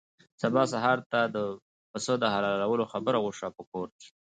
سبا سهار ته د پسه د حلالولو خبره وشوه په کور کې.